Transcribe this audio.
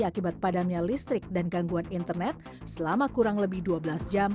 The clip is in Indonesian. akibat padamnya listrik dan gangguan internet selama kurang lebih dua belas jam